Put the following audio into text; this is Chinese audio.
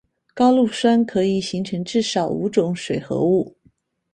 高氯酸可以形成至少五种水合物。